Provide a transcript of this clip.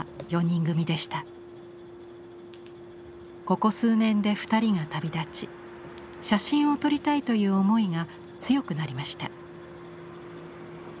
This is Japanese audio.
ここ数年で２人が旅立ち写真を撮りたいという思いが強くなりました。